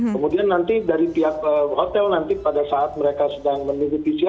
kemudian nanti dari pihak hotel nanti pada saat mereka sedang menunggu pcr